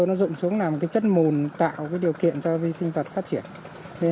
nó dụng xuống làm cái chất mùn tạo cái điều kiện cho vi sinh vật phát triển